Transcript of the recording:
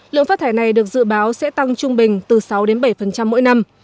lượng phát thải này được dự báo sẽ tăng trung bình từ sáu bảy mỗi năm